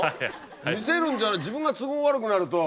見せるんじゃない自分が都合悪くなると。